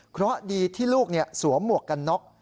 เพราะดีที่ลูกสวมหมวกกันน็อก